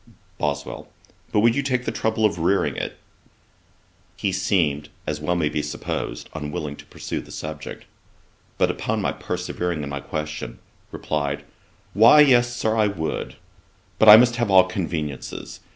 BOSWELL. 'But would you take the trouble of rearing it?' He seemed, as may well be supposed, unwilling to pursue the subject: but upon my persevering in my question, replied, 'Why yes, Sir, I would; but I must have all conveniencies.